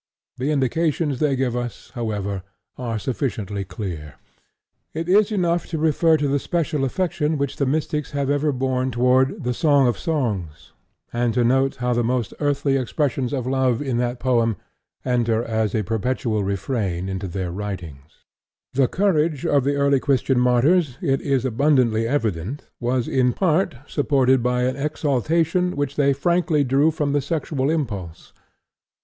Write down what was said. The indications they give us, however, are sufficiently clear. It is enough to refer to the special affection which the mystics have ever borne toward the Song of Songs, and to note how the most earthly expressions of love in that poem enter as a perpetual refrain into their writings. The courage of the early Christian martyrs, it is abundantly evident, was in part supported by an exaltation which they frankly drew from the sexual impulse.